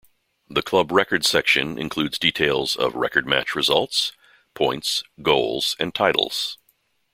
The club records section includes details of record match results, points, goals and titles.